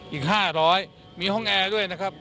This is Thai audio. อีก๕๐๐มีห้องแอร์ด้วยนะครับ